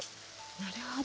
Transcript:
なるほど。